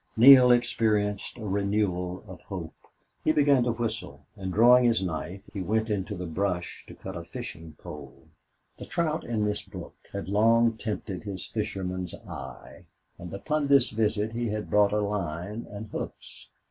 Neale experienced a renewal of hope. He began to whistle, and, drawing his knife, he went into the brush to cut a fishing pole. The trout in this brook had long tempted his fisherman's eye, and upon this visit he had brought a line and hooks.